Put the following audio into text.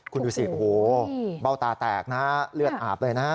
คุณดูสิบ้าวตาแตกนะเลือดอาบเลยนะ